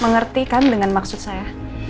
mengerti kan dengan maksud saya